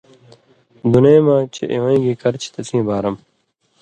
دُنئ مہ چےۡ اِوَیں گی کرچھی تسیں بارہ مہ